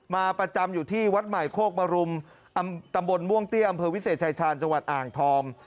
มาประจำอยู่ที่วัดใหม่โคกมรุมตำบลม่วงเตี้ยอำเภอวิเศษชายชาญจังหวัดอ่างทอง